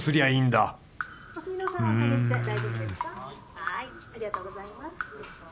ありがとうございます。